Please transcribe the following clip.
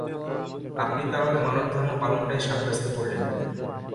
আপনি তা হলে মানবধর্ম পালনটাই সাব্যস্ত করলেন!